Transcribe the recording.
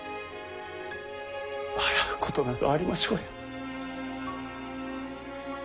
笑うことなどありましょうや。